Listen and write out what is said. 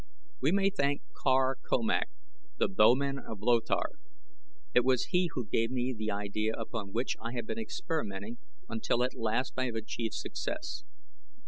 We may thank Kar Komak, the bowman of Lothar. It was he who gave me the idea upon which I have been experimenting until at last I have achieved success.